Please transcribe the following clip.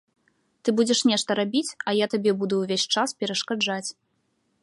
Ты будзеш нешта рабіць, а я табе буду ўвесь час перашкаджаць.